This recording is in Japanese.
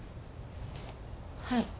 はい。